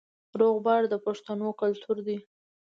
روغبړ د پښتنو کلتور دی